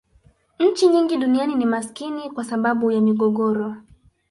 nchi nyingi duniani ni maskini kwa sababu ya migogoro